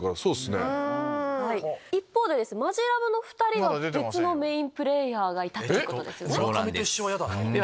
一方でマヂラブの２人は別のメインプレーヤーがいたということですよね。